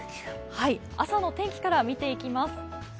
朝の天気から見ていきます。